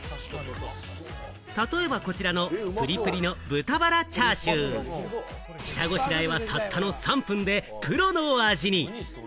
例えばこちらのプリプリの豚バラチャーシュー、下ごしらえはたったの３分でプロの味に。